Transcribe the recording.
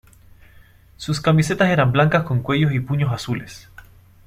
Sus camisetas eran blancas con cuellos y puños azules.